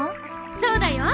そうだよ。